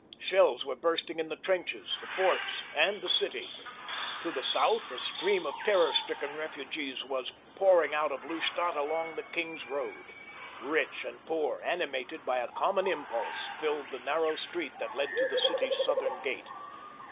Shells were bursting in the trenches, the forts, and the city. To the south a stream of terror stricken refugees was pouring out of Lustadt along the King's Road. Rich and poor, animated by a common impulse, filled the narrow street that led to the city's southern gate.